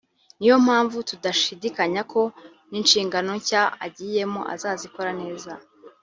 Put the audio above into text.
niyo mpamvu tudashidikanya ko n’inshingano nshya agiyemo azazikora neza